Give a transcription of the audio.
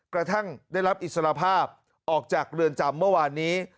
กระทั่งได้รับอิสระภาพออกจากเรือนจำเมื่อวานนี้